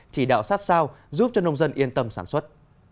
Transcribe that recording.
chỉ đạo sát sao giúp cho nông dân yên tâm sản xuất